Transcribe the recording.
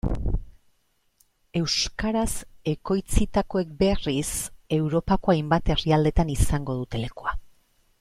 Euskaraz ekoitzitakoek berriz, Europako hainbat herrialdetan izango dute lekua.